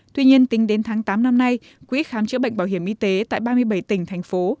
tuy nhiên tính đến tháng tám năm nay quỹ khám chữa bệnh bảo hiểm y tế tại ba mươi bảy tỉnh thành phố